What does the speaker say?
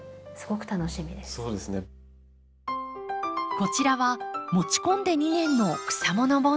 こちらは持ち込んで２年の草もの盆栽。